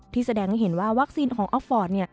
ที่แสดงให้เห็นว่าวัคซีนของออฟฟอร์ตเนี่ย